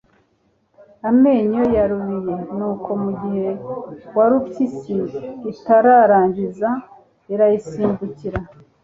amenyo, yarubiye. nuko mu gihe warupyisi itararangiza, irayisimbukira